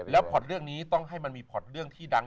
แล้วพอร์ตเรื่องนี้ต้องให้มันมีพอร์ตเรื่องที่ดัง